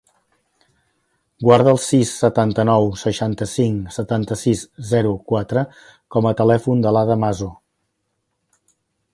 Guarda el sis, setanta-nou, seixanta-cinc, setanta-sis, zero, quatre com a telèfon de l'Ada Maso.